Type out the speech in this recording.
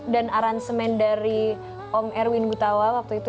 dan aransemen dari om erwin gutawa waktu itu